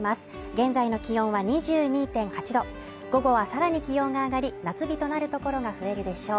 現在の気温は２２．８度午後はさらに気温が上がり、夏日となるところが増えるでしょう